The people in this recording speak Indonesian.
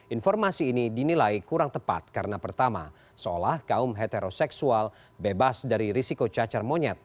informasi ini dinilai kurang tepat karena pertama seolah kaum heteroseksual bebas dari risiko cacar monyet